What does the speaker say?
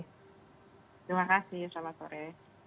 terima kasih selamat sore